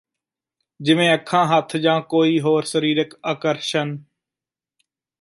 ਜਿਵੇਂ ਅੱਖਾਂ ਹੱਥ ਜਾਂ ਕੋਈ ਹੋਰ ਸਰੀਰਕ ਆਕਰਸ਼ਣ